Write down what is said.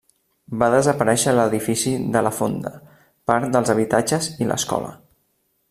Va desaparèixer l'edifici de la Fonda, part dels habitatges i l'escola.